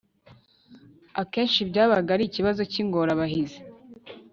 akenshi byabaga ari ikibazo cy ingorabahizi